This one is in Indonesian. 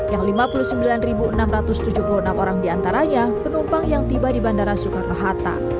yang lima puluh sembilan enam ratus tujuh puluh enam orang diantaranya penumpang yang tiba di bandara soekarno hatta